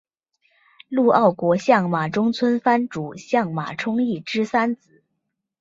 陆奥国相马中村藩主相马充胤之三子。